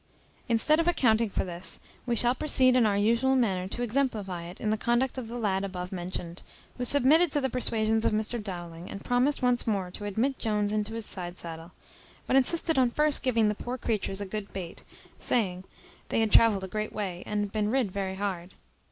Instead of accounting for this, we shall proceed in our usual manner to exemplify it in the conduct of the lad above mentioned, who submitted to the persuasions of Mr Dowling, and promised once more to admit Jones into his side saddle; but insisted on first giving the poor creatures a good bait, saying, they had travelled a great way, and been rid very hard.